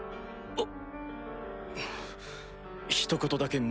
あっ！